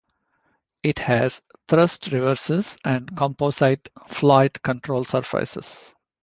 It has thrust reversers and composite flight control surfaces.